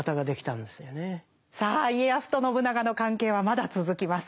さあ家康と信長の関係はまだ続きます。